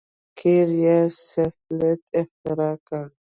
قیر یا سفالټ اختراع کړ.